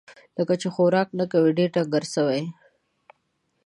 لکه چې خوراک نه کوې ، ډېر ډنګر سوی یې